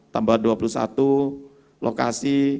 tambah dua puluh satu lokasi